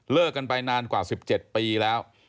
กันไปนานกว่า๑๗ปีแล้ว